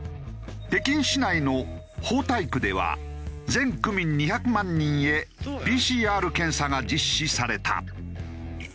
北京市内の豊台区では全区民２００万人へＰＣＲ検査が実施された。